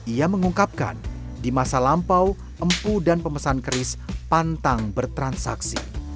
ia mengungkapkan di masa lampau empu dan pemesan keris pantang bertransaksi